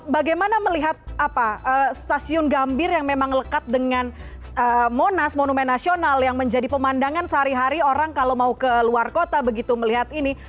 bagaimana melihat stasiun gambir yang memang lekat dengan monas monumen nasional yang menjadi pemandangan sehari hari orang kalau mau ke luar kota begitu melihat ini